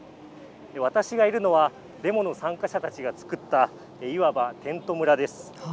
私がいるのはデモの参加者たちが作ったいわば、テント村です。